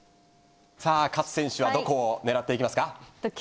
さあ勝選手はどこを狙っていきますか？